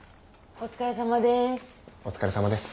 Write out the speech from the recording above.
お疲れさまです。